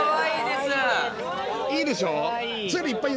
いいでしょ？